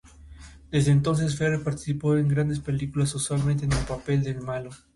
Desde entonces Ferrer participó en grandes películas, usualmente en el papel de malo.